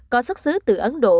có xuất xứ từ ấn độ